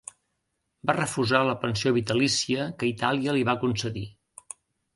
Va refusar la pensió vitalícia que Itàlia li va concedir.